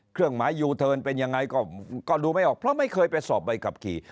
เครื่องหมายยูเทิร์นเป็นยังไงก็ดูไม่ออกเพราะไม่เคยไปสอบใบขับขี่